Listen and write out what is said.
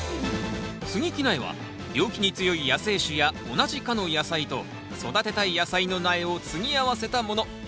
接ぎ木苗は病気に強い野生種や同じ科の野菜と育てたい野菜の苗を接ぎ合わせたもの。